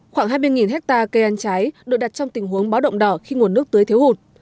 khoảng hai mươi hectare cây ăn trái được đặt trong tình huống báo động đỏ khi nguồn nước tưới thiếu hụt